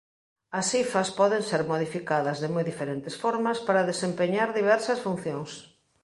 As hifas poden ser modificadas de moi diferentes formas para desempeñar diversas funcións.